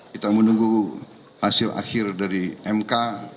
kita menunggu hasil akhir dari mk